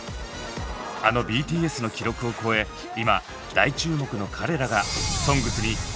あのＢＴＳの記録を超え今大注目の彼らが「ＳＯＮＧＳ」に初登場です。